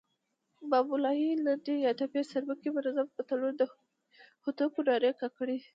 بابولالې، لنډۍ یا ټپې، سروکي، منظوم متلونه، د هوتکو نارې، کاکړۍ